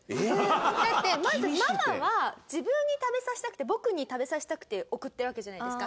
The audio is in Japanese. だってまずママは自分に食べさせたくて「僕」に食べさせたくて送ってるわけじゃないですか。